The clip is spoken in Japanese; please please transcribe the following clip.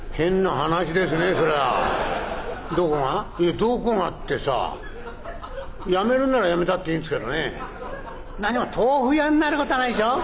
どこがってさぁやめるならやめたっていいんですけどね何も豆腐屋になることはないでしょう？」。